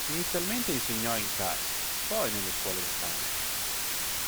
Inizialmente insegnò in casa, poi nelle scuole locali.